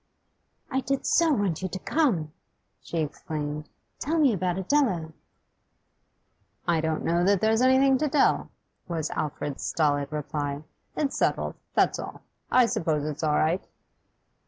'I did so want you to come!' she exclaimed. 'Tell me about Adela.' 'I don't know that there's anything to tell,' was Alfred's stolid reply. 'It's settled, that's all. I suppose it's all right.